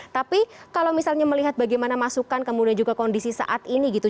tapi kalau misalnya melihat bagaimana masukan kemudian juga kondisi saat ini gitu